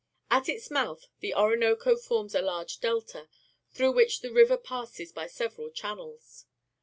At its mouth the Orinoco forms a large delta, through which the river passes by several channels.